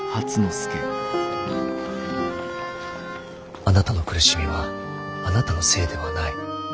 あなたの苦しみはあなたのせいではない。